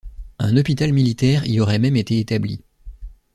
Un hôpital militaire y aurait même été établi.